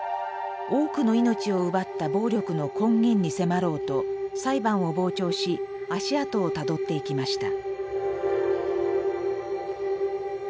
多くの命を奪った暴力の根源に迫ろうと裁判を傍聴し足跡をたどっていきました。